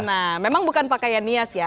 nah memang bukan pakaian nias ya